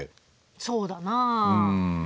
そうだなあ。